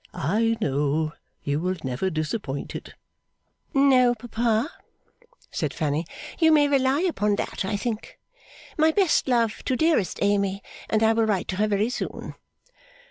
I know you will never disappoint it.' 'No, papa,' said Fanny, 'you may rely upon that, I think. My best love to dearest Amy, and I will write to her very soon.